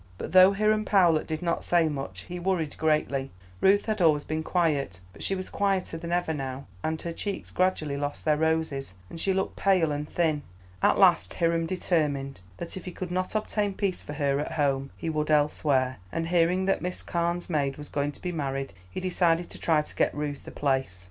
But though Hiram Powlett did not say much, he worried greatly. Ruth had always been quiet, but she was quieter than ever now, and her cheeks gradually lost their roses, and she looked pale and thin. At last Hiram determined that if he could not obtain peace for her at home he would elsewhere, and hearing that Miss Carne's maid was going to be married he decided to try to get Ruth the place.